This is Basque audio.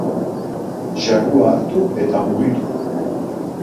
Xagua hartu eta mugitu.